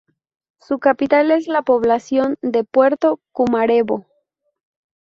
Su capital es la población de Puerto Cumarebo.